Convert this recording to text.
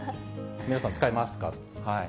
皆さん、使いますか？